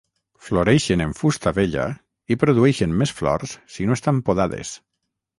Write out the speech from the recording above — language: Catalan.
Floreixen en fusta vella i produeixen més flors si no estan podades.